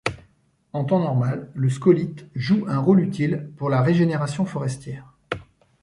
En temps normal, le scolyte joue un rôle utile pour la régénération forestière.